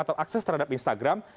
atau akses terhadap instagram